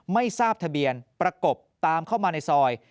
ไม่ทราบทะเบียนประกบตามเข้ามาในซอย